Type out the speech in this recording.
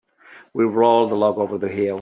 We rolled the log over the hill.